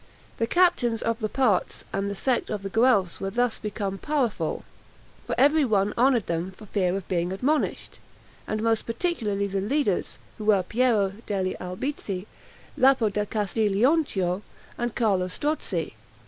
The Captains of the Parts and the sect of the Guelphs were thus become powerful; for every one honored them for fear of being admonished; and most particularly the leaders, who were Piero degli Albizzi, Lapo da Castiglionchio, and Carlo Strozzi.